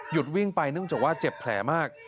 วิ่งไปเนื่องจากว่าเจ็บแผลมาก